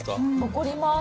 残ります。